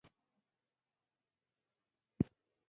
واوره او باد ښه په درز کې را الوتي ول.